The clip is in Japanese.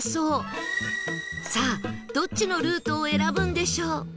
さあどっちのルートを選ぶんでしょう？